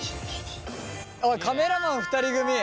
おいカメラマン２人組！